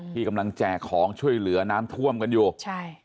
ที่กำลังแจกของช่วยเหลือน้ำท่วมกันอยู่ใช่